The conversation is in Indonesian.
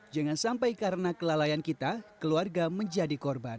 jangan sampai karena kelalaian kita keluarga menjadi korban